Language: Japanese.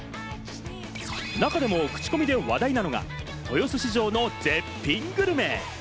中でもクチコミで話題なのが豊洲市場の絶品グルメ！